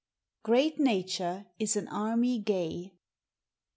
GREAT NATURE IS AN ARMY GAY.